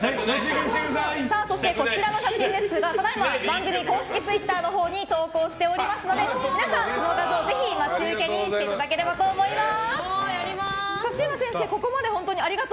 そして、こちらの写真ですがただいま番組公式ツイッターに投稿しておりますので皆さん、その画像を待ち受けにしていただければと思います。